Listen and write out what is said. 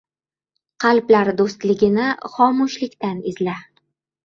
— Qalblar do‘stligini xomushlikdan izla.